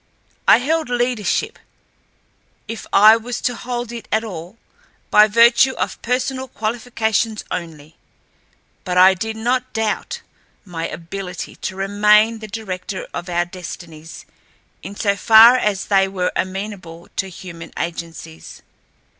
I held leadership, if I was to hold it at all, by virtue of personal qualifications only, but I did not doubt my ability to remain the director of our destinies in so far as they were amenable to human agencies.